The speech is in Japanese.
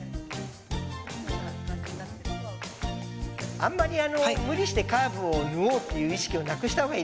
あんまり無理してカーブを縫おうっていう意識をなくした方がいいですね。